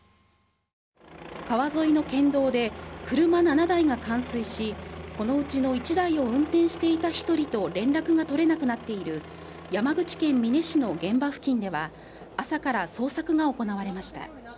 川沿いの県道で車７台が冠水し、このうちの１台を運転していた１人と連絡が取れなくなっている山口県美祢市の現場付近では朝から捜索が行われました。